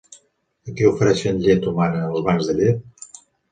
A qui ofereixen llet humana els bancs de llet?